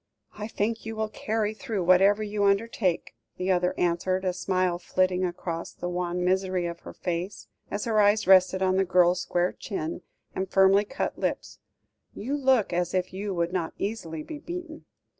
"I think you will carry through whatever you undertake," the other answered, a smile flitting across the wan misery of her face, as her eyes rested on the girl's square chin, and firmly cut lips; "you look as if you would not easily be beaten."